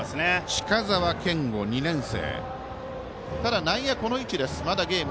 近澤賢虎、２年生。